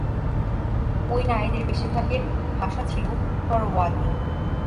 ওই নারীদের বেশির ভাগের ভাষা ছিল তরওয়ালি।